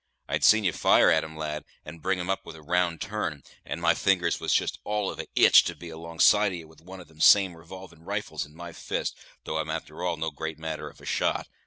I see'd ye fire at 'em, lad, and bring 'em up with a round turn, and my fingers was just all of a itch to be alongside of ye with one of them same revolvin' rifles in my fist, though I'm, a'ter all, no great matter of a shot.